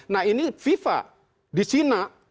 nah ini fifa di china